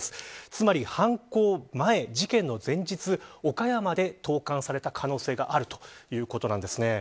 つまり、犯行前事件の前日岡山で投函された可能性があるということなんです。